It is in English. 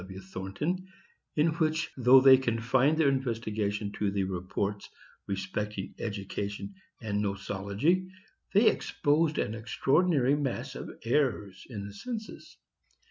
W. Thornton, in which, though they "confined their investigations to the reports respecting education and nosology," they exposed an extraordinary mass of errors in the census.